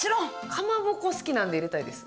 カマボコ好きなんで入れたいです。